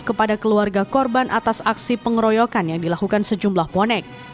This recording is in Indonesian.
kepada keluarga korban atas aksi pengeroyokan yang dilakukan sejumlah bonek